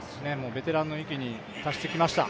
ベテランの域に達してきました。